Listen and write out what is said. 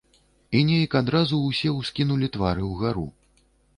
І нейк адразу ўсе ўскінулі твары ўгару.